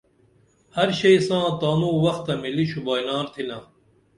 ہر شئی ساں تانوں وختہ ملی شوبائنار تِھنا